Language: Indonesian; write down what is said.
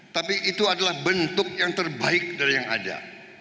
tapi itu adalah bentuk yang terbaik dari yang ada